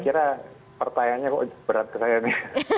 saya kira pertanyaannya kok berat kesayangnya